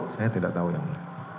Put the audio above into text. saya tidak tahu yang mulia